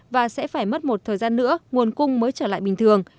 và sẽ phải mất một thời gian nữa nguồn cung mới trở lại bình thường